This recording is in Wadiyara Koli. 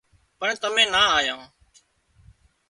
پڻ تمين نا آيان